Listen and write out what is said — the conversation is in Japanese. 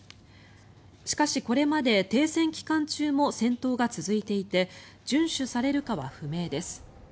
しかし、これまで停戦期間中も戦闘が続いていて順守されるかは不明です。